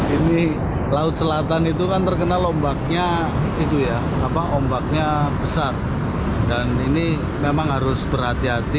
ini laut selatan itu kan terkenal ombaknya itu ya apa ombaknya besar dan ini memang harus berhati hati